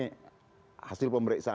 ini hasil pemerintah